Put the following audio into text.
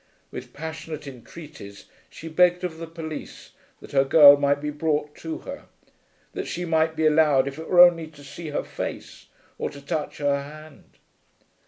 With passionate entreaties she begged of the police that her girl might be brought to her, that she might be allowed if it were only to see her face or to touch her hand.